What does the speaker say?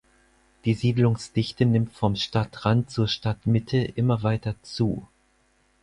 Die Siedlungsdichte nimmt vom Stadtrand zur Stadtmitte immer weiter zu.